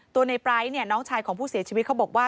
ตัวในไร้น้องชายของผู้เสียชีวิตเขาบอกว่า